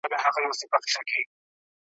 دې غونډي ته یوه جاهل `